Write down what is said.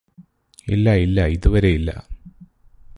ഇല്ല ഇല്ല ഇതുവരെയില്ല